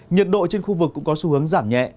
nhiệt độ trên khu vực cũng có xu hướng giảm nhẹ